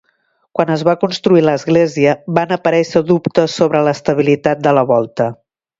Quan es va construir l'església, van aparèixer dubtes sobre l'estabilitat de la volta.